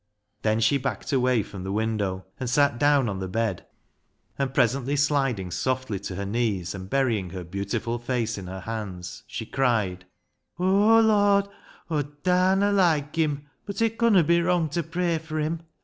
Then she backed away from the window, and sat down on the bed ; and presently sliding softly to her knees, and burying her beautiful face in her hands, she cried —" O Lord, Aw darr na loike him, but it conna be wrung to pray fur him.